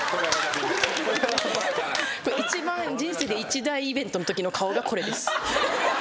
これ一番人生で一大イベントのときの顔がこれです。